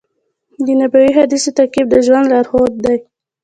د نبوي حدیثونو تعقیب د ژوند لارښود دی.